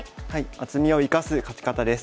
「厚みを生かす勝ち方」です。